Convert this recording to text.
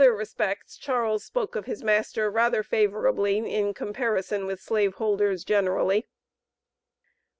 In other respects Charles spoke of his master rather favorably in comparison with slaveholders generally.